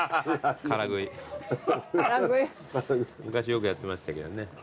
昔よくやってましたけどね。